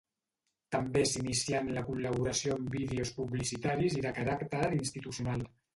També s’inicià en la col·laboració amb vídeos publicitaris i de caràcter institucional.